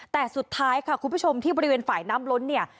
แต่สุดท้ายค่ะคุณผู้ชมที่บริเวณฝ่ายน้ำล้นเนี่ย